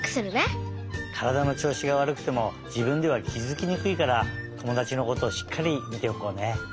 からだのちょうしがわるくてもじぶんではきづきにくいからともだちのことをしっかりみておこうね。